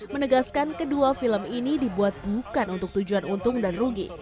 menegaskan kedua film ini dibuat bukan untuk tujuan untung dan rugi